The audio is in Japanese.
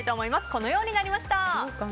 このようになりました。